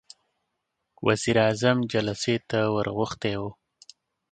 وزير اعظم جلسې ته ور غوښتی و.